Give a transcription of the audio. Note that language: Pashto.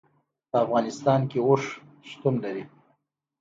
په افغانستان کې اوښ شتون لري.